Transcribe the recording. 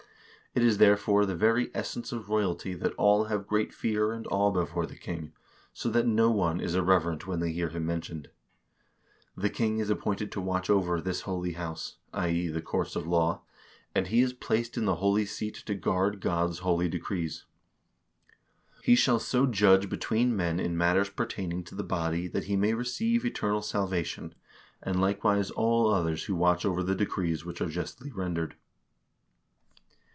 It is therefore the very essence of royalty that all have great fear and awe before the king, so that no one is irreverent when they hear him mentioned." *" The king is appointed to watch over this holy house (i.e. the courts of law), and he is placed in the holy seat to guard God's holy decrees. He shall so judge between men in matters pertaining to the body that he may receive eternal salvation, and likewise all others who watch over the decrees which are justly rendered.